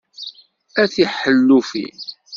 A tiḥellufin!